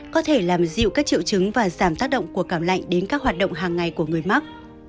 có thể làm dịu các triệu chứng và giảm tác động của cảm lạnh đến các hoạt động hàng ngày của người mắc